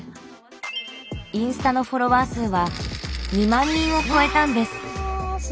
インスタのフォロワー数は２万人を超えたんです。